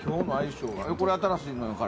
これ、新しいのやから。